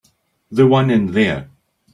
The one in there.